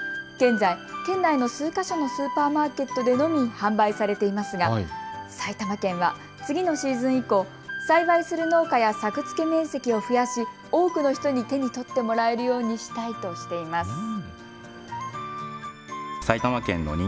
現在県内の数か所のスーパーマーケットでのみ販売されていますが埼玉県は次のシーズン以降、栽培する農家や作付面積を増やし多くの人に手に取ってもらえるようにしたいとしています。